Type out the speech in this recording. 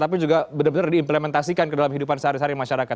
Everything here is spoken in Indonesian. tapi juga benar benar diimplementasikan ke dalam hidupan sehari hari masyarakat